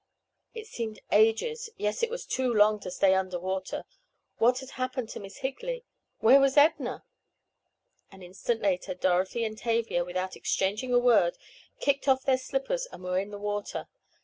It seemed ages—yes, it was too long to stay under water. What had happened to Miss Higley? Where was Edna? An instant later, Dorothy and Tavia—without exchanging a word—kicked off their slippers and were in the water!